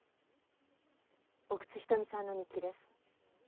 奥津牟さんの日記です。